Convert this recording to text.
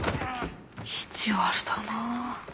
意地悪だなぁ。